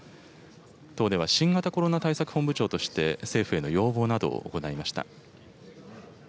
党では新型コロナ対策本部長として、政府への要望などを行いました。